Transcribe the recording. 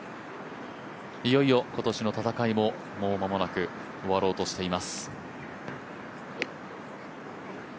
いよいよ今年の戦いももう間もなく終わろうとしています。